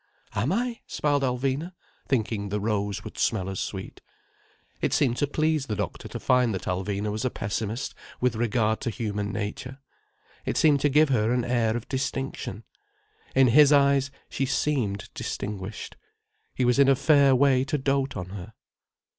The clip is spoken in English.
"Am I?" smiled Alvina, thinking the rose would smell as sweet. It seemed to please the doctor to find that Alvina was a pessimist with regard to human nature. It seemed to give her an air of distinction. In his eyes, she seemed distinguished. He was in a fair way to dote on her.